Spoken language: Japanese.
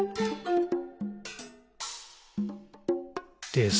「です。」